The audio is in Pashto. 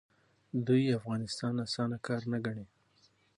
دوی افغانستان اسانه کار نه ګڼي.